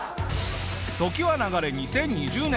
時は流れ２０２０年。